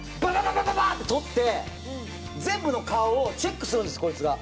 バババッて撮って全部の顔をチェックするんですこいつが。